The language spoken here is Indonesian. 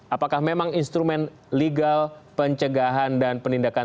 apakah memang instrumen legal pencegahan dan penindakan